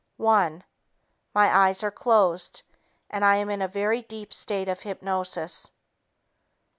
One ... My eyes are closed, and I am in a very deep state of hypnosis.